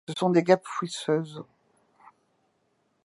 Ce sont des Guêpes fouisseuses.